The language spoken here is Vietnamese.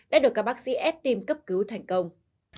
đã được các bác sĩ ép tim cấp cứu thành công